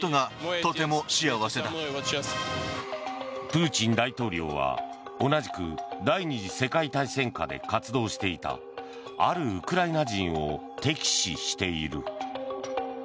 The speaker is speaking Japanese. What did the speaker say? プーチン大統領は、同じく第２次世界大戦下で活動していたあるウクライナ人を敵視している。